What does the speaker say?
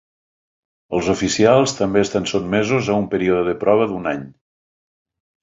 Els oficials també estan sotmesos a un període de prova d'un any.